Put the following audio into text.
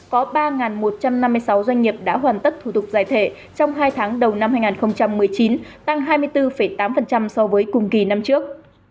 có ba một trăm năm mươi sáu doanh nghiệp đã hoàn tất thủ tục giải thể trong hai tháng đầu năm hai nghìn một mươi chín tăng hai mươi bốn tám so với cùng kỳ năm trước